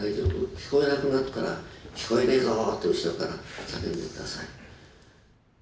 聞こえなくなったら「聞こえねえぞ」って後ろから叫んで下さい。